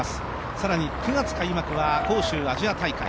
更に９月開幕は杭州アジア大会。